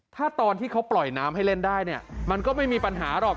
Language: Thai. ถ้าตอนที่เขาปล่อยน้ำให้เล่นได้เนี่ยมันก็ไม่มีปัญหาหรอก